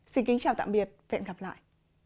xin kính chào tạm biệt và hẹn gặp lại